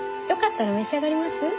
よかったら召し上がります？